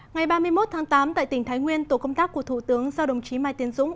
ngày ba mươi một tháng tám tại tỉnh thái nguyên tổ công tác của thủ tướng do đồng chí mai tiến dũng